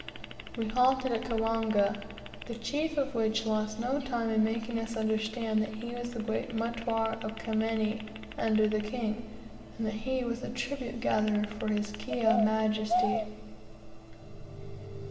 We halted at Kawanga, the chief of which lost no time in making us understand that he was the great Mutware of Kimenyi under the king, and that he was the tribute gatherer for his Kiha majesty.